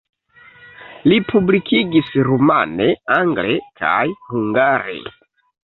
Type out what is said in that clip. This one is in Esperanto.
Li publikigis rumane, angle kaj hungare.